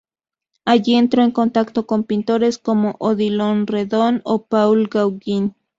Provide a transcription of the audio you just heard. Allí entró en contacto con pintores como Odilon Redon o Paul Gauguin.